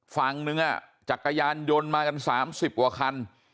ฝั่งนึงจักรยานยนต์มากัน๓๐กว่าคัน